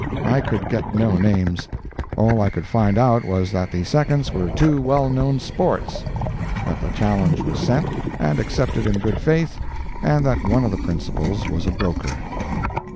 I could get no names. All I could find out was that the seconds were two well known "sports," that the challenge was sent and accepted in good faith, and that one of the principals was a broker.